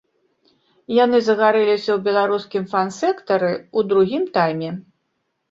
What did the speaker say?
Яны загарэліся ў беларускім фан-сектары ў другім тайме.